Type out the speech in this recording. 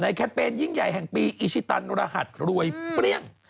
แคมเปญยิ่งใหญ่แห่งปีอิชิตันรหัสรวยเปรี้ยง